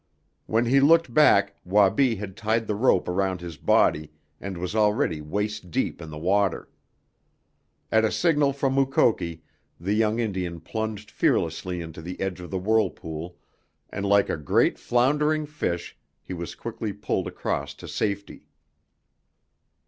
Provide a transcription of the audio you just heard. When he looked back Wabi had tied the rope around his body and was already waist deep in the water. At a signal from Mukoki the young Indian plunged fearlessly into the edge of the whirlpool and like a great floundering fish he was quickly pulled across to safety.